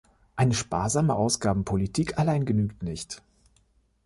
Eine sparsame Ausgabenpolitik allein genügt nicht.